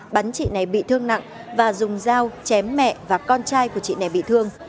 bắn chị này bị thương nặng và dùng dao chém mẹ và con trai của chị này bị thương